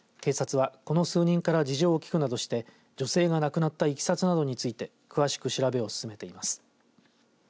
警察は、この数人から事情を聴くなどして女性が亡くなったいきさつなどについて詳しく調べを進めています。